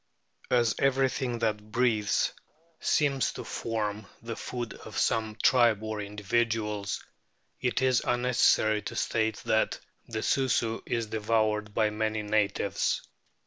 As every thing that breathes seems to form the food of some tribe or individuals, it is unnecessary to state that the Susu is devoured by many natives.